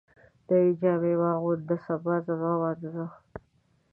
نوي جامي واغونده ، سبا زما واده دی